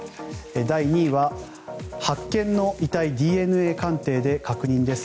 第２位は、発見の遺体ＤＮＡ鑑定で確認です。